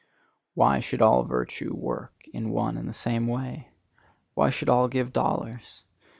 Why should all virtue work in one and the same way? Why should all give dollars?